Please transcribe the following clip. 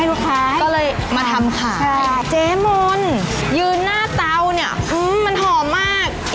เราก็เลยว่าเห็นแขกโอเคเราก็เลยนำมาต่อยอ้อด